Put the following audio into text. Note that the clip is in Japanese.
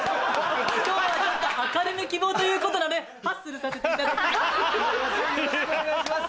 今日は明るめ希望ということでハッスルさせていただきます！